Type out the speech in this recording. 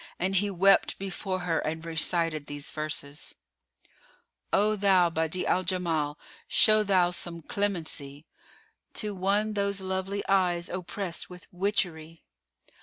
And he wept before her and recited these verses, "O thou, Badi'a 'l Jamál, show thou some clemency * To one those lovely eyes opprest with witchery!